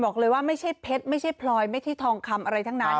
ไม่ใช่เพชรไม่ใช่พลอยไม่ใช่ทองคำอะไรทั้งนั้น